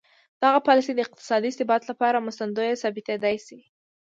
دغه پالیسي د اقتصادي ثبات لپاره مرستندویه ثابتېدای شي.